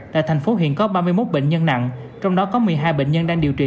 tại tp hcm có ba mươi một bệnh nhân nặng trong đó có một mươi hai bệnh nhân đang điều trị